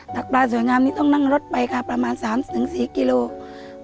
ตักปลาสวยงามนี่ต้องนั่งรถไปค่ะประมาณ๓๔กิโลกรัม